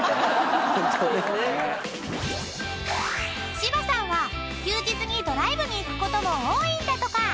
［柴さんは休日にドライブに行くことも多いんだとか］